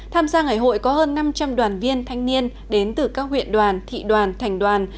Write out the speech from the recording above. tham gia ngày hội có hơn năm trăm linh đoàn viên thanh niên đến từ các huyện đoàn thị đoàn thành đoàn